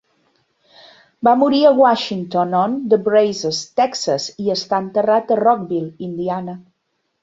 Va morir a Washington-on-the-Brazos, Texas, i està enterrat a Rockville, Indiana.